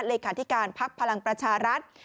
เลขาธิการภักดิ์พลังประชารัฐ